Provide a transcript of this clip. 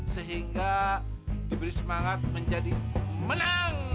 sehingga diberi semangat menjadi menang